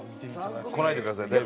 来ないでください。